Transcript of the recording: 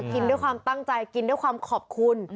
กินด้วยความตั้งใจกินด้วยความขอบคุณ